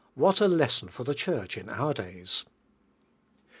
What a. lesson for I he Church in our days.